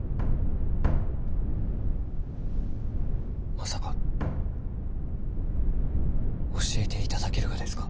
まさか教えていただけるがですか？